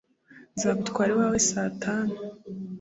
Nzagutwara iwawe saa tanu.